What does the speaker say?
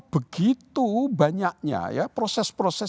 begitu banyaknya ya proses proses